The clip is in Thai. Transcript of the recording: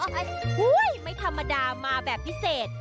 โอ้โหไม่ธรรมดามาแบบพิเศษ